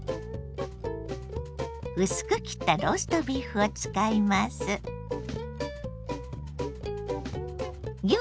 薄く切ったローストビーフを使います。